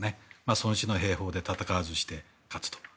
孫氏の兵法で戦わずして勝つと。